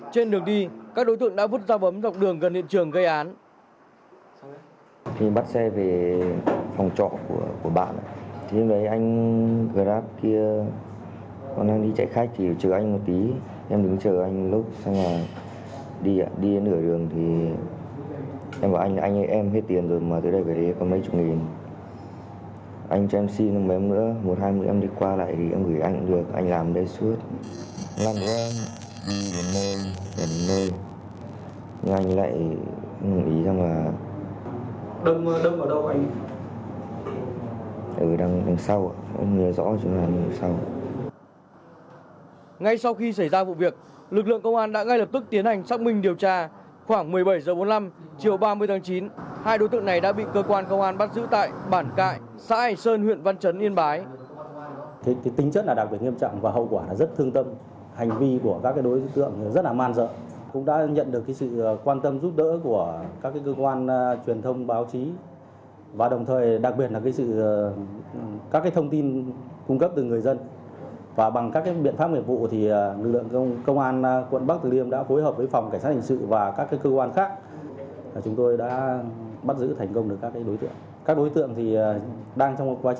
trên đường đi các đối tượng đã vứt ra bấm dọc đường gần hiện trường gây án